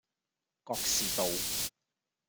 覺士道